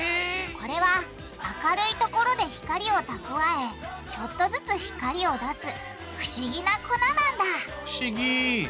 これは明るいところで光を蓄えちょっとずつ光を出す不思議な粉なんだ不思議！